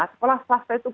sekolah swasta itu